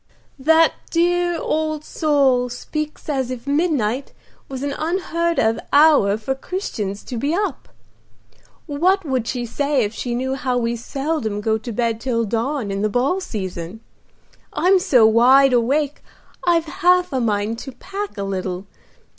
"The dear old soul speaks as if midnight was an unheard of hour for Christians to be up. What would she say if she knew how we seldom go to bed till dawn in the ball season? I'm so wide awake I've half a mind to pack a little.